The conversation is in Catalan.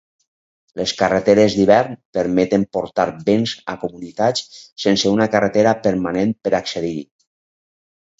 Les carreteres d'hivern permeten portar béns a comunitats sense una carretera permanent per accedir-hi.